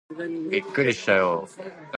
びっくりしたよー